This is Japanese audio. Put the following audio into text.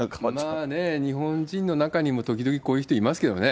まあね、日本人の中にもときどき、こういう人いますけどね。